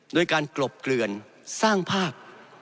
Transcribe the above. โดยการกลบเกลื่อนสร้างภาพ